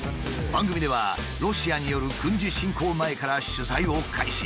番組ではロシアによる軍事侵攻前から取材を開始。